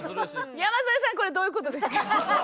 山添さんこれどういう事ですか？